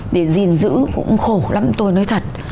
để gìn giữ cũng khổ lắm tôi nói thật